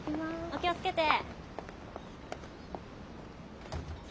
お気を付けて。